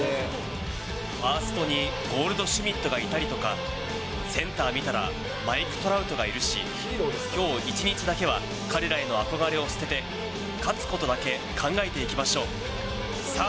ファーストにゴールドシュミットがいたりとか、センター見たら、マイク・トラウトがいるし、きょう一日だけは、彼らへの憧れを捨てて、勝つことだけ考えていきましょう。